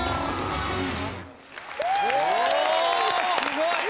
すごい！